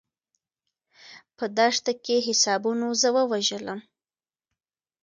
په دښته کې حسابونو زه ووژلم.